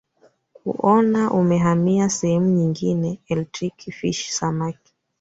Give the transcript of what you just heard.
kuona umehamia sehemu nyingine Electric Fish Samaki